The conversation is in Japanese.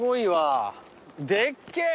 でっけぇ！